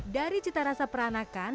dari cita rasa peranakan